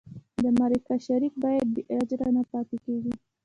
د مرکه شریک باید بې اجره نه پاتې کېږي.